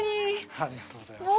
ありがとうございます。